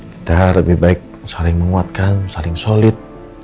kita lebih baik saling menguatkan saling solid